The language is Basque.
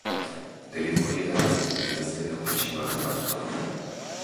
Delitu horiek asko arindu litezke neurri txiki batzuk hartuta.